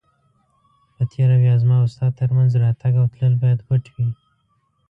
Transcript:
په تېره بیا زما او ستا تر مینځ راتګ او تلل باید پټ وي.